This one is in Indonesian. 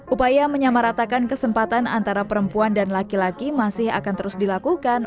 upaya menyamaratakan kesempatan antara perempuan dan laki laki masih akan terus dilakukan